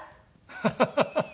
ハハハハ！